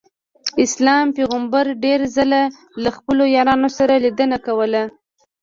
اسلام پیغمبر ډېر ځله له خپلو یارانو سره لیدنه کوله.